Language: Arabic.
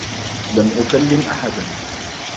لم أكلّم أحدا.